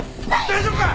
大丈夫か？